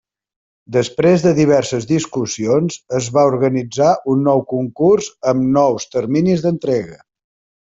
Després de diverses discussions es va organitzar un nou concurs amb nous terminis d'entrega.